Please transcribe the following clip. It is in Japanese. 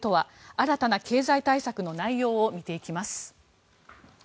新たな経済対策の内容を見ていきます。